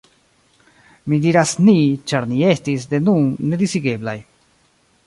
Mi diras «ni», ĉar ni estis, de nun, nedisigeblaj.